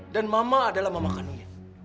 dan mama adalah mama kanunya